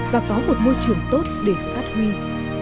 và có một môi trường tốt để phát huy